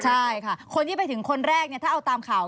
ใช่ค่ะคนที่ไปถึงคนแรกเนี่ยถ้าเอาตามข่าว